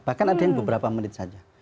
bahkan ada yang beberapa menit saja